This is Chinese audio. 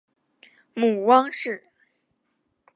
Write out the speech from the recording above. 母汪氏。